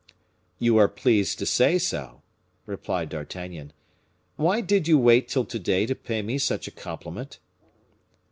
"You are pleased to say so," replied D'Artagnan. "Why did you wait till to day to pay me such a compliment?"